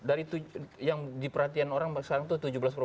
dari yang diperhatikan orang sekarang itu tujuh belas puluh puluh puluh